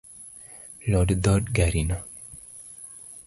Lor dhod garino.